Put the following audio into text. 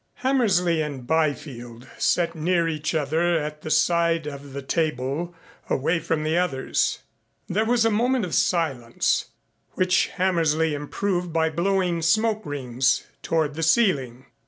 Hammersley and Byfield sat near each other at the side of the table away from the others. There was a moment of silence which Hammersley improved by blowing smoke rings toward the ceiling.